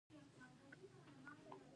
آیا کښتۍ تر مرکزي کاناډا پورې نه راځي؟